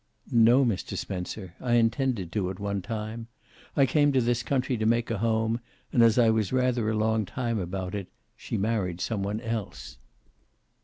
"No, Mr. Spencer. I intended to, at one time. I came to this country to make a home, and as I was rather a long time about it, she married some one else."